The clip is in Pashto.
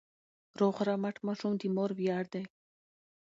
روغ رمټ ماشوم د مور ویاړ دی.